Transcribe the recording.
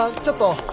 ちょっと。